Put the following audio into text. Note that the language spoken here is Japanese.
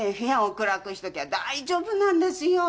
暗くしときゃ大丈夫なんですよ。